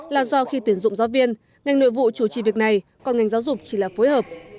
là do khi tuyển dụng giáo viên ngành nội vụ chủ trì việc này còn ngành giáo dục chỉ là phối hợp